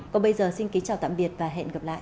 còn bây giờ xin kính chào tạm biệt và hẹn gặp lại